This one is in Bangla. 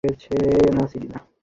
না, সিন্ডি, না!